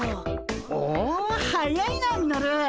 お速いなミノル！